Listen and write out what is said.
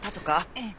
ええ。